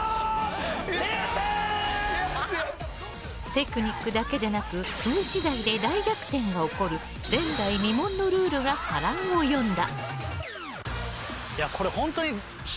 テクニックだけでなく運次第で大逆転が起こる前代未聞のルールが波乱を呼んだ。